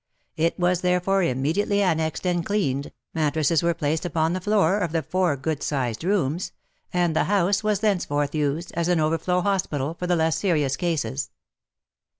It was therefore immediately an nexed and cleaned, mattresses were placed upon the floor of the four good sized rooms, and the house was thenceforth used as an overflow hospital for the less serious cases.